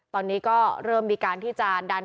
ตอนนี้ก็เริ่มมีการที่จะดัน